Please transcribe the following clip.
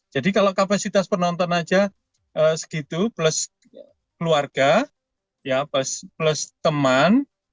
jadi kalau kapasitas penonton saja segitu plus keluarga plus teman